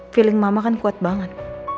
feeling mama kan kuat banget